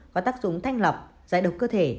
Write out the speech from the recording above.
có tác dụng thanh lọc giải độc cơ thể